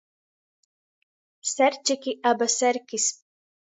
Serčiki aba serkys.